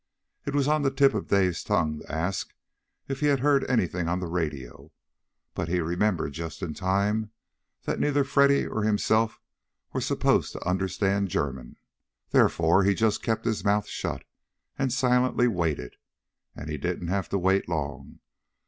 It was on the tip of Dave's tongue to ask if he had heard anything on the radio, but he remembered just in time that neither Freddy or himself were supposed to understand German. Therefore he just kept his mouth shut, and silently waited. And he didn't have to wait long.